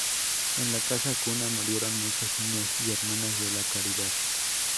En la Casa Cuna murieron muchos niños y hermanas de la Caridad.